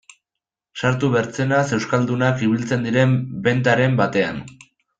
Sartu bertzenaz euskaldunak ibiltzen diren bentaren batean...